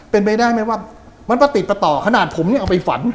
เป็นไปได้ไหมว่ามันประติดประต่อขนาดผมเนี่ยเอาไปฝัน